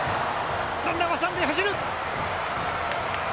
ランナーは三塁へ走る。